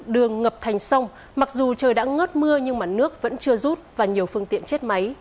đường ngập thành sông mặc dù trời đã ngớt mưa nhưng nước vẫn chưa rút và nhiều phương tiện chết máy